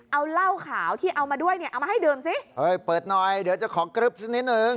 เอาเหล้าขาวที่เอามาด้วยเนี่ยเอามาให้ดื่มสิเอ้ยเปิดหน่อยเดี๋ยวจะขอกริ๊บสักนิดนึง